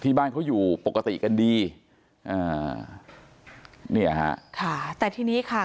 บ้านเขาอยู่ปกติกันดีอ่าเนี่ยฮะค่ะแต่ทีนี้ค่ะ